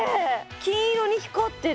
金色に光ってる。